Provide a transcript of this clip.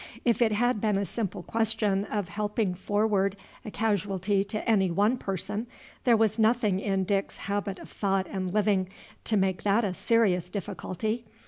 If it had been a simple question of helping forward a casualty to any one person, there was nothing in Dick's habits of thought and living to make that a serious difficulty.